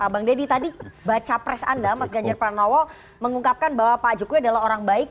bang deddy tadi baca pres anda mas ganjar pranowo mengungkapkan bahwa pak jokowi adalah orang baik